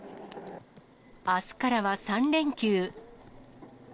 あすからは３連休。